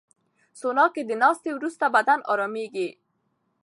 سونا کې د ناستې وروسته بدن ارامه کېږي.